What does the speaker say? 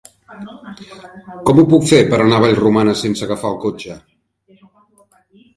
Com ho puc fer per anar a Vallromanes sense agafar el cotxe?